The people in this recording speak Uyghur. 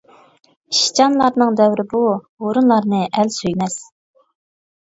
ئىشچانلارنىڭ دەۋرى بۇ، ھۇرۇنلارنى ئەل سۆيمەس.